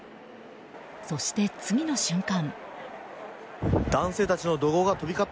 そして次の瞬間。